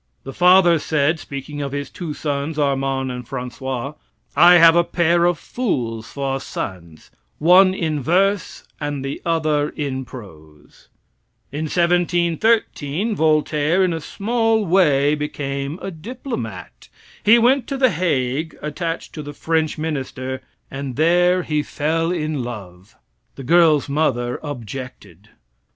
The father said, speaking of his two sons, Armand and Francois: "I have a pair of fools for sons, one in verse and the other in prose." In 1713 Voltaire, in a small way, became a diplomat. He went to The Hague attached to the French minister, and there he fell in love. The girl's mother objected.